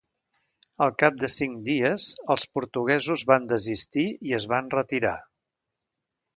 Al cap de cinc dies, els portuguesos van desistir i es van retirar.